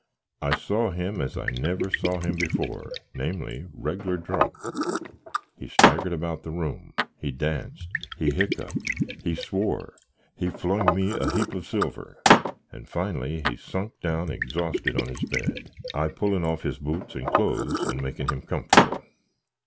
I saw him as I never saw him before, namly, reglar drunk. He staggered about the room, he danced, he hickipd, he swoar, he flung me a heap of silver, and, finely, he sunk down exosted on his bed; I pullin off his boots and close, and making him comfrabble.